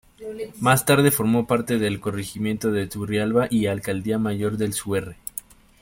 Más tarde formó parte del corregimiento de Turrialba y alcaldía mayor de Suerre.